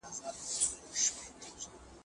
لویه جرګه څنګه د ډیموکراسۍ له اصولو سره سمون لري؟